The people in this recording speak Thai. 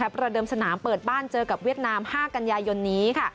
ประเดิมสนามเปิดบ้านเจอกับเวียดนาม๕กันยายนนี้